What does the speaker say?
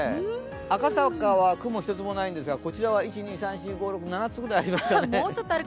赤坂は雲一つもないんですが、こちらは７つぐらいありますかね。